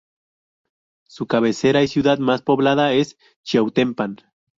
Su cabecera y ciudad más poblada es Chiautempan.